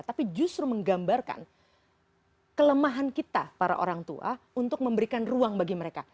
tapi justru menggambarkan kelemahan kita para orang tua untuk memberikan ruang bagi mereka